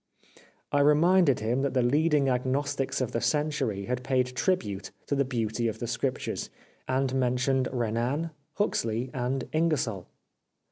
" I reminded him that the leading agnostics of the century had paid tribute to the beauty of the scriptures, and mentioned Renan, Huxley and Ingersoll.